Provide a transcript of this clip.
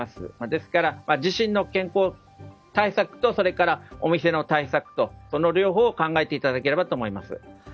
ですから、自身の健康対策とお店の対策とその両方を考えていただければと思います。